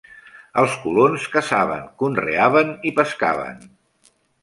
Els colons caçaven, conreaven i pescaven.